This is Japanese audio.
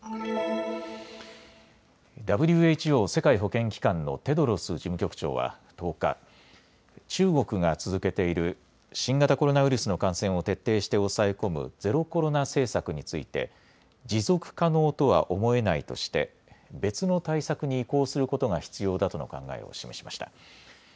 ＷＨＯ・世界保健機関のテドロス事務局長は１０日、中国が続けている新型コロナウイルスの感染を徹底して抑え込むゼロコロナ政策について持続可能とは思えないとして別の対策に移行することが必要だとの考えを示しました。